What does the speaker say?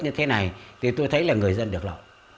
như thế này thì tôi thấy là người dân được lọc